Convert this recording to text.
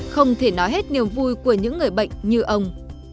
không thể nói hết niềm vui của những người bệnh như ông